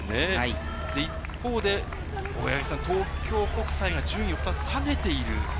一方で東京国際が順位を２つ下げている。